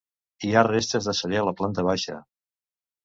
Hi ha restes de celler a la planta baixa.